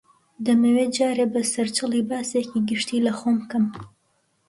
دەمەوێ جارێ بە سەرچڵی باسێکی گشتی لە خۆم بکەم